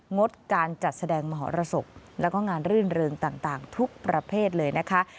งดการจัดแสดงมหรสบแล้วก็งานรื่นเริงต่างทุกประเภทเลยนะคะ